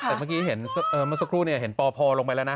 แต่เมื่อกี้เห็นเอ่อเมื่อสักครู่เนี่ยเห็นปอพอลงไปละนะ